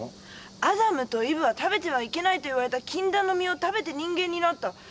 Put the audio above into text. アダムとイブは食べてはいけないと言われた禁断の実を食べて人間になった。